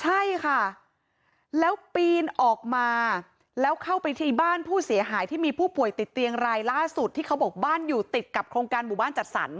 ใช่ค่ะแล้วปีนออกมาแล้วเข้าไปที่บ้านผู้เสียหายที่มีผู้ป่วยติดเตียงรายล่าสุดที่เขาบอกบ้านอยู่ติดกับโครงการหมู่บ้านจัดสรร